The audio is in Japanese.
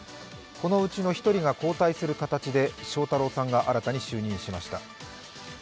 このうちの１人が交代する形で翔太郎さんが新たに就任しました。